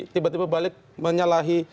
tiba tiba balik menyalahi